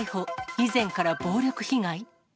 以前から暴力被害？